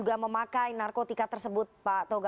kemudian para mahasiswa juga memakai narkotika tersebut pak toga